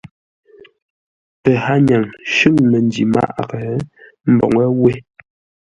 Pəhányaŋ shʉ̂ŋ məndǐ mághʼə mboŋə́ wé.